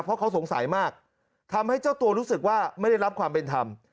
เพราะเขาสงสัยมากทำให้เจ้าตัวรู้สึกว่าไม่ได้รับความเป็นธรรม